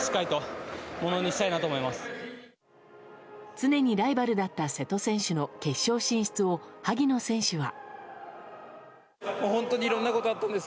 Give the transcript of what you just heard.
常にライバルだった瀬戸選手の決勝進出を萩野選手は。